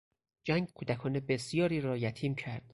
جنگ کودکان بسیاری را یتیم کرد.